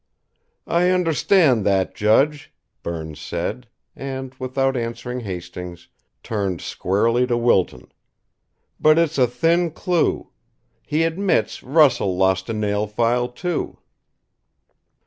"I understand that, judge," Berne said; and, without answering Hastings, turned squarely to Wilton: "But it's a thin clue. He admits Russell lost a nail file, too."